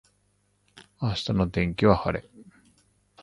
明日の天気は晴れ。